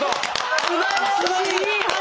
すばらしい。